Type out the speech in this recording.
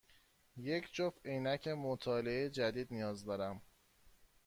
یک جفت عینک مطالعه جدید نیاز دارم.